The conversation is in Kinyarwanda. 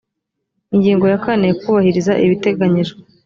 ingingo ya kane kubahiriza ibiteganyijwe